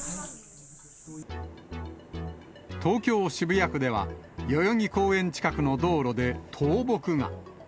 東京・渋谷区では、代々木公園近くの道路で倒木が。